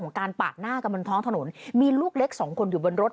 การปาดหน้ากันบนท้องถนนมีลูกเล็กสองคนอยู่บนรถ